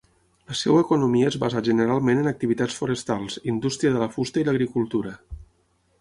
La seva economia es basa generalment en activitats forestals, indústria de la fusta i l'agricultura.